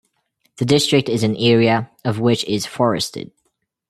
The district is in area, of which is forested.